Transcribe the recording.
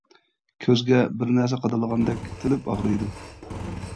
كۆزگە بىر نەرسە قادالغاندەك تېلىپ ئاغرىيدۇ.